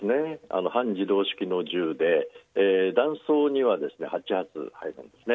半自動式の銃で、弾倉には８発入るんですね。